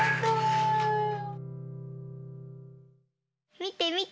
みてみて。